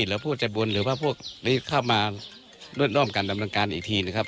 หรือผู้จัดบุญหรือว่าพวกนี้เข้ามาร่วมกันดำรงการอีกที